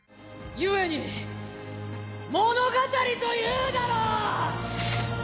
故に物語というだろう！